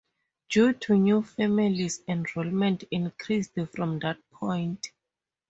Due to new families enrollment increased from that point.